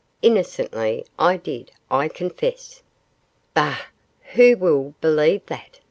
'Innocently I did, I confess.' 'Bah! who will believe that?